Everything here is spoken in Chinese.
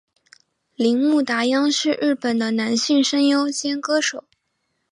铃木达央是日本的男性声优兼歌手。